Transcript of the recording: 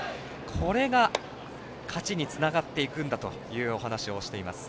これが勝ちにつながっていくんだというお話をしています。